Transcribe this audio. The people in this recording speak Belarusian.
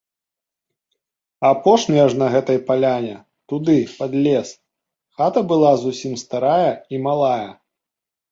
Апошняя ж на гэтай паляне, туды пад лес, хата была зусім старая і малая.